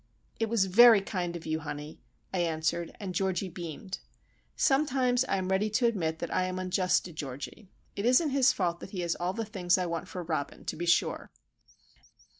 "It was very kind of you, honey," I answered, and Georgie beamed. Sometimes I am ready to admit that I am unjust to Georgie. It isn't his fault that he has all the things I want for Robin, to be sure.